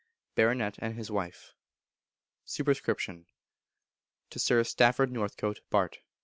Baronet and His Wife. Sup. To Sir Stafford Northcote, Bart.